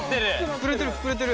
膨れてる膨れてる。